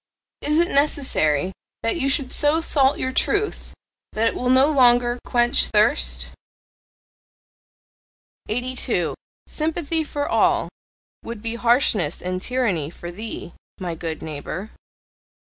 Is it necessary that you should so salt your truth that it will no longer quench thirst? 82. "Sympathy for all" would be harshness and tyranny for THEE, my good neighbour.